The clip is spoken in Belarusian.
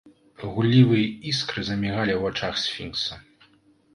Гуллівыя іскры замігалі ў вачах сфінкса.